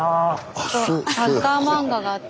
スタジオサッカー漫画があって。